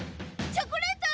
チョコレート！